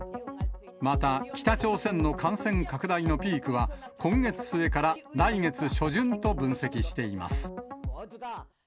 また北朝鮮の感染拡大のピークは、今月末から来月初旬と分析しています。